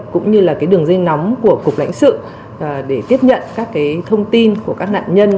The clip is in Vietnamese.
cũng như là đường dây nóng của cục lãnh sự để tiếp nhận các thông tin của các nạn nhân